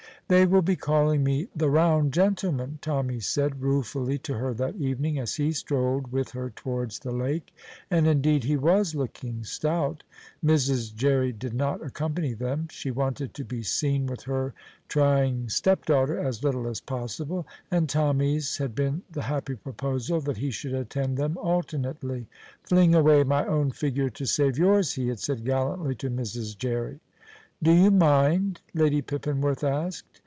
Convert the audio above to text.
"They will be calling me the round gentleman," Tommy said ruefully to her that evening, as he strolled with her towards the lake, and indeed he was looking stout. Mrs. Jerry did not accompany them; she wanted to be seen with her trying stepdaughter as little as possible, and Tommy's had been the happy proposal that he should attend them alternately "fling away my own figure to save yours," he had said gallantly to Mrs. Jerry. "Do you mind?" Lady Pippinworth asked.